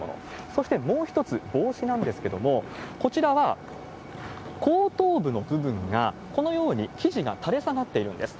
そしてもう一つ、帽子なんですけれども、こちらは後頭部の部分が、このように生地が垂れ下がっているんです。